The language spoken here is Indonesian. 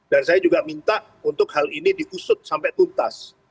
dan saya juga minta untuk hal ini dikusut sampai tuntas